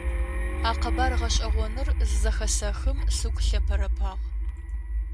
А къэбар гъэшӀэгъоныр зызэхэсэхым сыгу лъэпэрэпагъ.